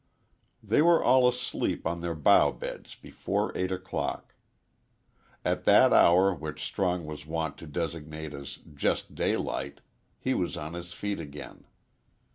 They were all asleep on their bough beds before eight o'clock. At that hour which Strong was wont to designate as "jes' daylight" he was on his feet again.